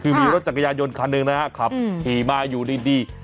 คือมีรถจักรยานยนต์คันหนึ่งนะฮะขับขี่มาอยู่ดี